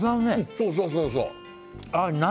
そうそうそうそうあっ何？